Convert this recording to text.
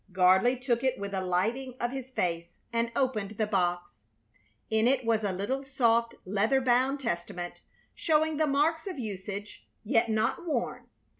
Gardley took it with a lighting of his face and opened the box. In it was a little, soft, leather bound Testament, showing the marks of usage, yet not worn.